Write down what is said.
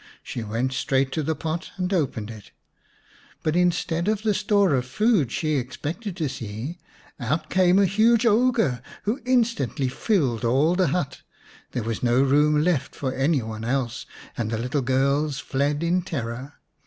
She went straight to the pot and opened it, but instead of the store of food she expected to see out came a huge ogre, who instantly filled all the hut. There was no room left for any one else, and the little girls fled in terror.